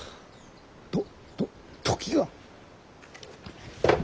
とと時が？